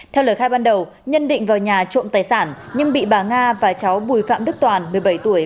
theo lời khai ban đầu nhân định vào nhà trộm tài sản nhưng bị bà nga và cháu bùi phạm đức toàn một mươi bảy tuổi